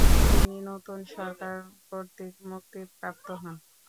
তিনি নতুন সরকার কর্তৃক মুক্তিপ্রাপ্ত হন।